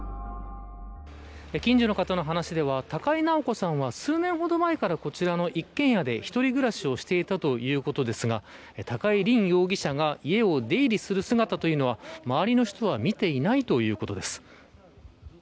近所の方の話では高井直子さんは数年ほど前から、こちらの一軒家で一人暮らしをしていたということですが高井凜容疑者が家を出入りする姿というのは周りの人は見ていないということです。